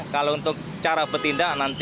kalau untuk cara bertindak